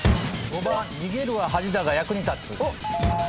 ５番逃げるは恥だが役に立つ。